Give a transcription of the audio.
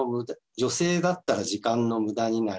女性だったら時間のむだになり、